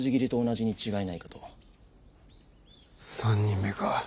３人目か。